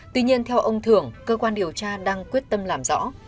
tuy nhiên theo ông thưởng cơ quan điều tra đang quyết tâm làm rõ